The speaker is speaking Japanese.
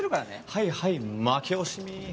はいはい負け惜しみ